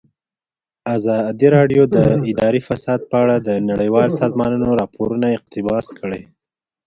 ازادي راډیو د اداري فساد په اړه د نړیوالو سازمانونو راپورونه اقتباس کړي.